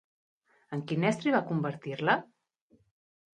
En quin estri va convertir-la?